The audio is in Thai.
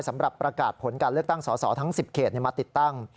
สำหรับประกาศผลการเลือกตั้งสอสอทั้ง๑๐เขตมาติดตั้ง